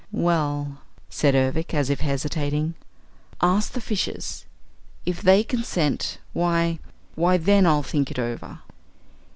"Well," said Ervic, as if hesitating, "ask the fishes. If they consent, why why, then, I'll think it over."